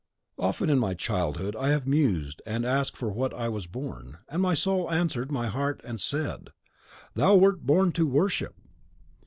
.... "Often in my childhood I have mused and asked for what I was born; and my soul answered my heart and said, 'THOU WERT BORN TO WORSHIP!